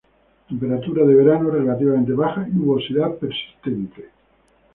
Temperaturas de verano relativamente bajas y nubosidad persistente.